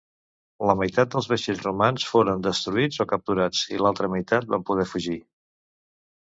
La meitat dels vaixells romans foren destruïts o capturats i l'altra meitat van poder fugir.